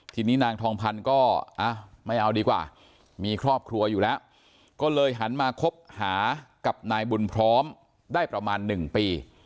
ทีนี้นางทองพันธุ์ก็ไม่เอาดีกว่ามีครอบครัวอยู่แล้วก็เลยหันมาคบหากับนายบุญพร้อมได้ประมาณ๑ปี